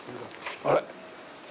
あれ！